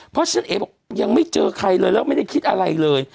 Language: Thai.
เพราะฉะนั้นเอ๋บอกยังไม่เจอใครเลยแล้วไม่ได้คิดอะไรเลย